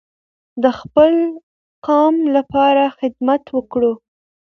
د خپل قام لپاره خدمت وکړو.